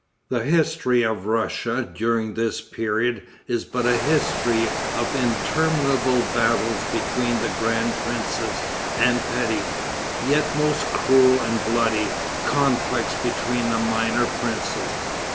The history of Russia during this period is but a history of interminable battles between the grand princes, and petty, yet most cruel and bloody, conflicts between the minor princes.